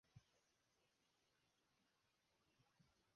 Ellos deciden hacerlo de dos maneras.